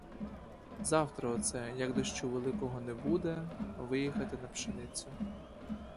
Завтра оце, як дощу великого не буде, виїхати на пшеницю.